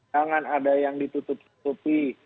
jangan ada yang ditutup tutupi